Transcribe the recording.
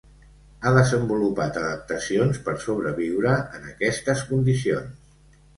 Ha desenvolupat adaptacions per sobreviure en aquestes condicions.